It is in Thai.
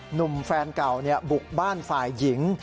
หนุ่มแฟนเก่าบุกบ้านฝ่ายหญิง